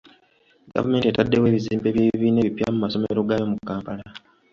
Gavumenti etaddewo ebizimbe by'ebibiina ebipya mu masomero gaayo mu Kampala.